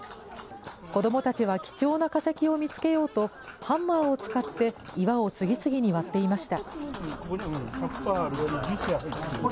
子どもたちは貴重な化石を見つけようと、ハンマーを使って岩を次々に割っていました。